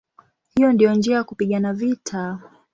Hiyo ndiyo njia ya kupigana vita".